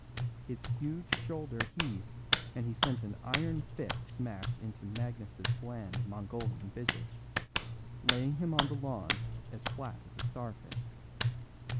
His huge shoulder heaved and he sent an iron fist smash into Magnus's bland Mongolian visage, laying him on the lawn as flat as a starfish.